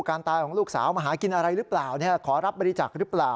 การตายของลูกสาวมาหากินอะไรหรือเปล่าขอรับบริจาคหรือเปล่า